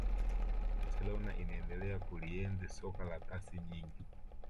barcelona inaendelea kulienzi soka la pasi nyingi